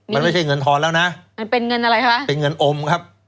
มันไม่ใช่เงินทอนแล้วนะมันเป็นเงินอะไรคะเป็นเงินอมครับ